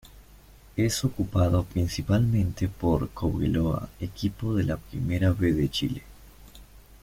Es ocupado principalmente por Cobreloa, equipo de la Primera B de Chile.